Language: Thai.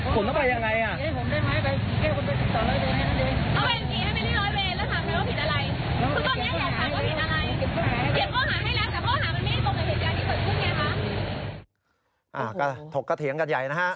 กันเดินเตียงกันใหญ่